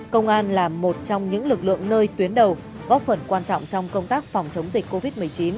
công an là một trong những lực lượng nơi tuyến đầu góp phần quan trọng trong công tác phòng chống dịch covid một mươi chín